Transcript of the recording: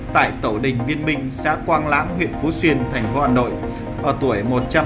tại tổ đình viên minh xã quang lãng huyện phú xuyên thành phố hà nội ở tuổi một trăm linh năm